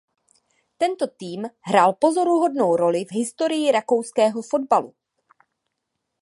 Tento tým hrál pozoruhodnou roli v historii rakouského fotbalu.